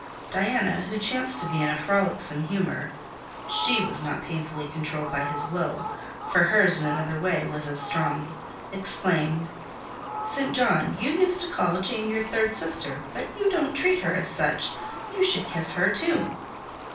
Diana, who chanced to be in a frolicsome humour (she was not painfully controlled by his will; for hers, in another way, was as strong), exclaimed— "St. John! you used to call Jane your third sister, but you don't treat her as such: you should kiss her too."